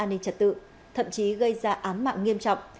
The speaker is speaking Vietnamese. an ninh trật tự thậm chí gây ra án mạng nghiêm trọng